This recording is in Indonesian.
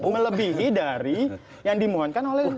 melebihi dari yang dimohonkan oleh